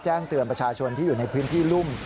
แจ้งเตือนประชาชนที่อยู่ในพื้นที่รุ่ม